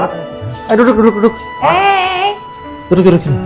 kamu dari mana